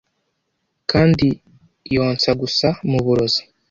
kandi yonsa gusa muburozi